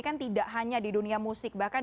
kan tidak hanya di dunia musik bahkan